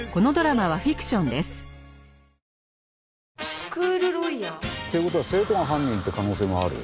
スクールロイヤー？という事は生徒が犯人って可能性もある？